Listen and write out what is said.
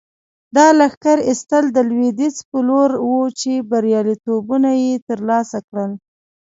دا لښکر ایستل د لویدیځ په لور وو چې بریالیتوبونه یې ترلاسه کړل.